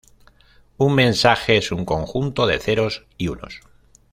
Un mensaje es un conjunto de ceros y unos.